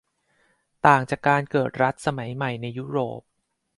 ต่างจากการเกิดรัฐสมัยใหม่ในยุโรป